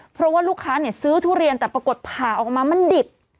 เพราะว่าลูกค้าซื้อทุเรียนแต่ปรากฏผ่าออกมามันดิบ